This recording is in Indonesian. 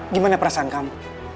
gimana perasaan kamu